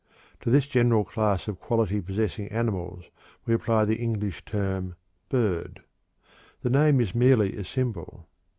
To this general class of quality possessing animals we apply the English term "bird." The name is merely a symbol.